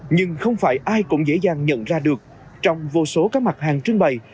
nhưng không phải ai cũng dễ dàng nhận ra được trong vô số các mặt hàng trưng bày